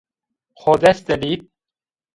Xo dest de bî